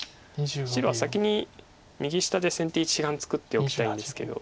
白は先に右下で先手一眼作っておきたいんですけど。